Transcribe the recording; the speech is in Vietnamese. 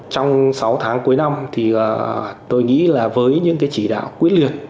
trong sáu tháng cuối năm thì tôi nghĩ là với những cái chỉ đạo quyết liệt